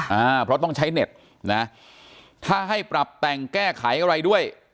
แม้ต้องใช้เน็ตค่ะถ้าให้ปรับแต่งแก้ไขอะไรด้วย